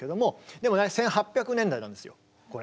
でもね１８００年代なんですよこれ。